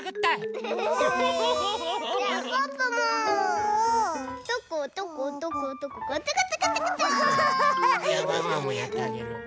ウフフ！じゃワンワンもやってあげる。